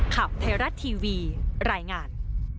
ขับไทรัตทีวีรายงาน